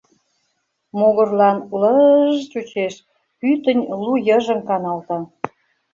Могырлан лыж-ж чучеш, пӱтынь лу йыжыҥ каналта.